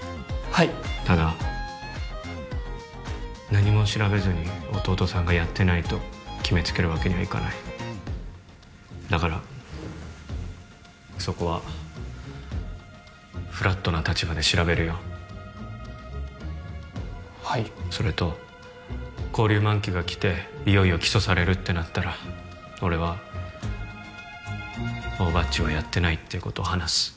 はいただ何も調べずに弟さんがやってないと決めつけるわけにはいかないだからそこはフラットな立場で調べるよはいそれと勾留満期がきていよいよ起訴されるってなったら俺は大庭っちはやってないっていうことを話す